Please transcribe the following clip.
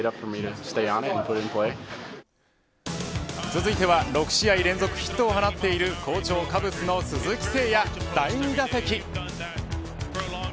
続いては６試合連続ヒットを放っている好調カブスの鈴木誠也第２打席。